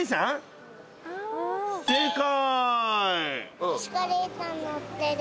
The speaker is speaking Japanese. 正解。